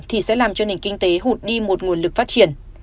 thì sẽ làm cho nền kinh tế hụt đi một nguồn lực phát triển